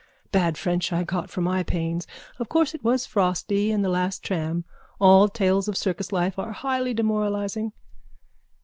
Bad French I got for my pains. Of course it was frosty and the last tram. All tales of circus life are highly demoralising.